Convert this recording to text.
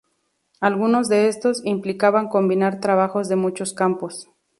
Algunos de estos, implicaban combinar trabajos de muchos campos.